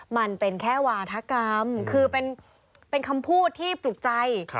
มันเป็นแค่วาธกรรมคือเป็นคำพูดที่ปลุกใจ